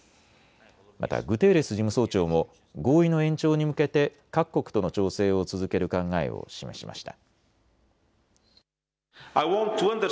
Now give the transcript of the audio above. またグテーレス事務総長も合意の延長に向けて各国との調整を続ける考えを示しました。